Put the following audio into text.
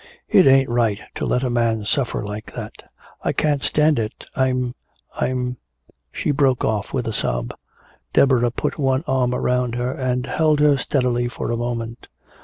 It ain't right to let a man suffer like that! I can't stand it! I'm I'm " she broke off with a sob. Deborah put one arm around her and held her steadily for a moment.